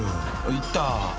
［いった。